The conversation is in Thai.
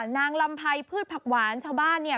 นางลำไพพืชผักหวานชาวบ้านเนี่ย